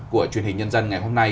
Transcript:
của truyền hình nhân dân ngày hôm nay